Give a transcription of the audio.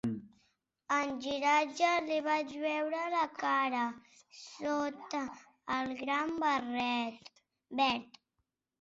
En girar-se, li vaig veure la cara sota el gran barret verd.